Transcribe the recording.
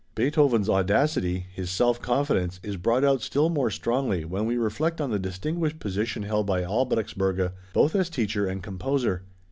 Beethoven's audacity his self confidence, is brought out still more strongly when we reflect on the distinguished position held by Albrechtsberger, both as teacher and composer.